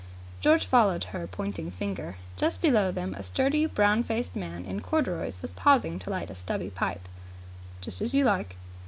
George followed her pointing finger. Just below them a sturdy, brown faced man in corduroys was pausing to light a stubby pipe. "Just as you like."